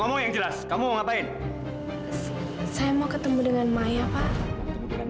gak usah verstehen apa dia bag writing